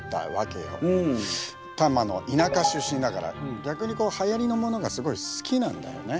多摩の田舎出身だから逆にこうはやりのものがすごい好きなんだよね。